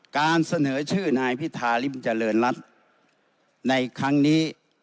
การเสนอชื่อนายพิธาริมเจริญรัฐในครั้งนี้